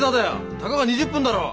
たかが２０分だろ。